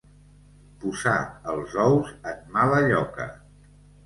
Posar els ous en mala lloca.